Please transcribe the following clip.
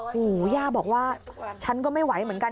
หูย่าบอกว่าฉันก็ไม่ไหวเหมือนกัน